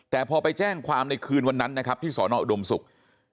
แต่พอไปแจ้งความในคืนวันนั้นนะครับที่สอนออุดมศุกร์